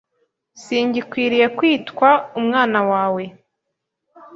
Singikwiriye kwitwa umwana wawe.